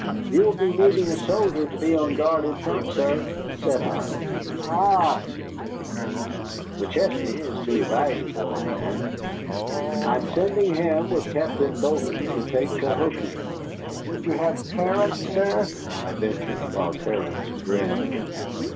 "You will be needing a soldier to be on guard in front, sir," said I. "Ah," said the Colonel, "McChesney is too valuable a man. I am sending him with Captain Bowman to take Cahokia." "Would you have Terence, sir?" I ventured, while Terence grinned.